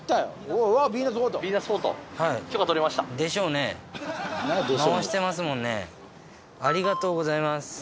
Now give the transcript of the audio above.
でありがとうございます。